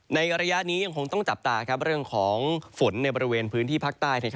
ในระยะนี้ยังคงต้องจับตาเรื่องของฝนในบริเวณพื้นที่ภาคใต้